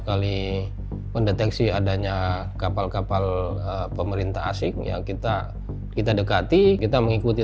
kali mendeteksi adanya kapal kapal pemerintah asing ya kita kita dekati kita mengikuti